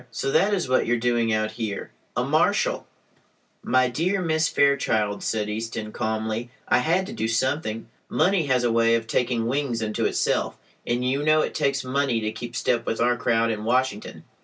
"So that is what you are doing out here? A marshal!" "My dear Miss Fairchild," said Easton, calmly, "I had to do something. Money has a way of taking wings unto itself, and you know it takes money to keep step with our crowd in Washington.